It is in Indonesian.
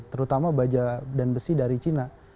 terutama baja dan besi dari cina